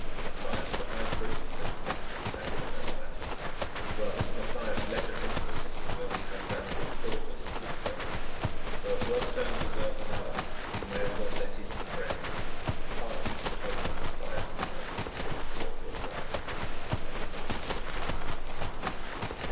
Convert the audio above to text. "Mathias, the high priest," said the captain; "that is another matter. Well, this Mathias let us into the city, where we have found good quarters, and good plunder; so as one turn deserves another, we may as well let in his friends. Pass, cousin of Mathias the high priest, with all your company," and he opened the gate.